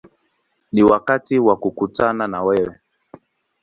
Ni wakati wa kukutana na wewe”.